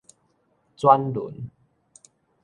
轉輪